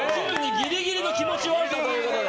ギリギリの気持ち悪さということで。